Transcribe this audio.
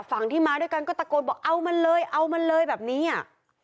ฝั่งที่มาด้วยกันก็ตะโกนบอกเอามันเลยเอามันเลยแบบนี้อ่ะ